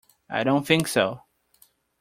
I don't think so.